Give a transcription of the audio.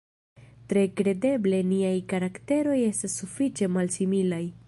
Tre kredeble niaj karakteroj estas sufiĉe malsimilaj.